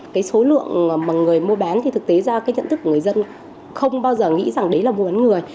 cái số lượng mà người mua bán thì thực tế ra cái nhận thức của người dân không bao giờ nghĩ rằng đấy là mua bán người